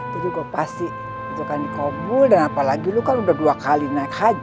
jadi gue pasti itu akan dikabul dan apalagi lo kan udah dua kali naik haji